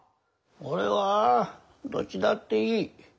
俺はどっちだっていい。